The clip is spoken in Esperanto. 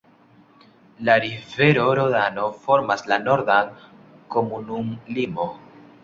La rivero Rodano formas la nordan komunumlimon.